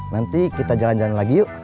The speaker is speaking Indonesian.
nanti kita jalan jalan lagi yuk